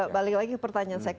balik lagi ke pertanyaan saya